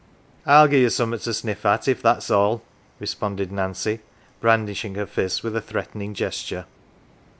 " I'll gi" 1 ye summat to sniff* at if that's all !"* responded Nancy, brandishing her fists with a threatening gesture.